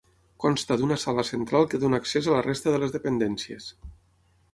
Consta d'una sala central que dóna accés a la resta de les dependències.